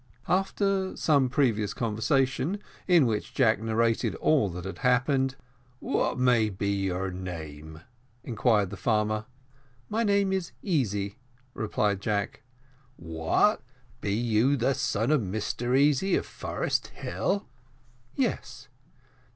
After some previous conversation, in which Jack narrated all that had happened, "What may be your name?" inquired the farmer. "My name is Easy," replied Jack. "What, be you the son of Mr Easy, of Forest Hill?" "Yes."